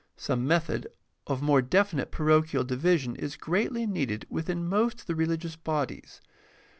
Some method of more definite parochial division is greatly needed within most of the religious bodies.